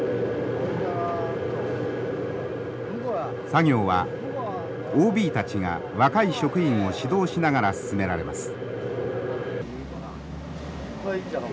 作業はＯＢたちが若い職員を指導しながら進められます。